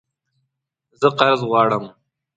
زه قرض غواړم